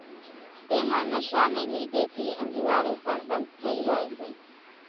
تيمان نشا ني لِيڌي ٿي انزوئارون پڻ ٻنڌ ٿئي زائي سي